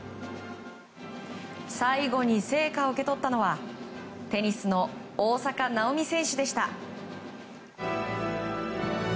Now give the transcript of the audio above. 最後に聖火を受け取ったのはテニスの大坂なおみ選手でした。